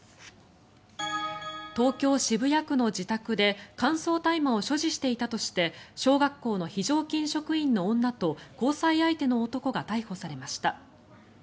東京・渋谷区の自宅で乾燥大麻を所持していたとして小学校の非常勤職員の女と交際相手の男が逮捕されました。